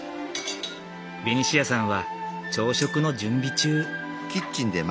ベニシアさんは朝食の準備中。